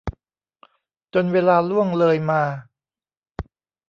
จนเวลาล่วงเลยมา